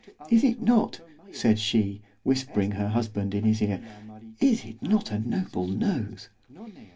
_ is it not, said she, whispering her husband in his ear, is it not a noble nose?